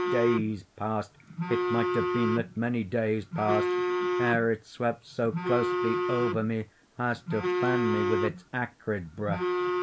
Days passed—it might have been that many days passed—ere it swept so closely over me as to fan me with its acrid breath.